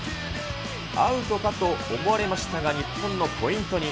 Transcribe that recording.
アウトかと思われましたが、日本のポイントに。